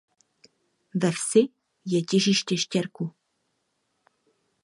Ve vsi je těžiště štěrku.